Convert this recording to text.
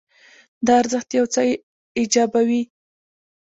دا ارزښت یو څه ایجابوي.